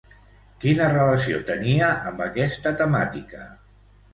Quina relació tenia amb aquesta temàtica?